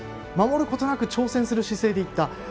守ることなく挑戦する姿勢でいった。